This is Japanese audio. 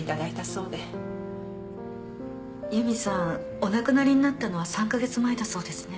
お亡くなりになったのは３か月前だそうですね。